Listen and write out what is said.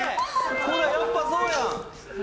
ほらやっぱそうやん！